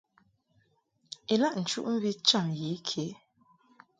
Ilaʼ nchuʼmvi cham yi ke.